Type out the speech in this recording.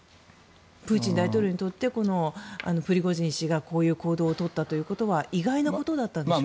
プーチン大統領にとってプリゴジン氏がこういう行動をとったということは意外なことだったんでしょうか。